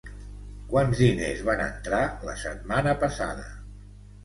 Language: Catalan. Quants diners van entrar, la setmana passada?